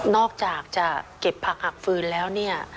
อกจากจะเก็บผักอักฟืนแล้วเนี่ย